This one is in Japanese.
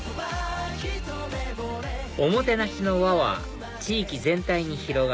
おもてなしの輪は地域全体に広がり